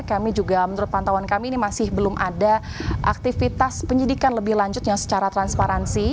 kami juga menurut pantauan kami ini masih belum ada aktivitas penyidikan lebih lanjut yang secara transparansi